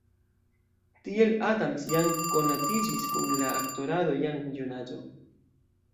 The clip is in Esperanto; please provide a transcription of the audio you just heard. Tiel Adams jam konatiĝis kun la aktorado jam en junaĝo.